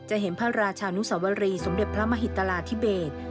เห็นพระราชานุสวรีสมเด็จพระมหิตราธิเบศ